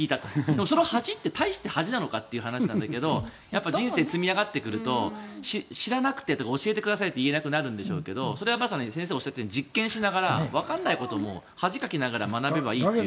でもその恥は大した恥なのかと思うけど人生が積みあがってくると知らなくて、教えてくださいって言えなくなるんですけどそれはまさに先生がおっしゃったように分からないことも恥をかきながら学べばいいと。